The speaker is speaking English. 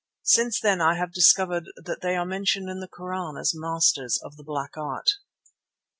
(Since then I have discovered that they are mentioned in the Koran as masters of the Black Art.)